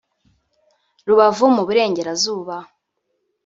Rubavu mu Burengerazuba